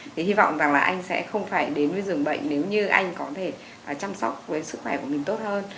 thì hy vọng rằng là anh sẽ không phải đến với dường bệnh nếu như anh có thể chăm sóc với sức khỏe của mình tốt hơn